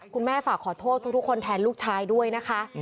คุณแม่ฝากขอโทษทุกคนแทนลูกชายด้วยนะคะ